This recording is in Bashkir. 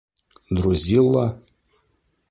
Друзилла?